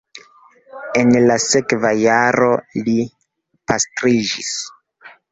En la sekva jaro li pastriĝis.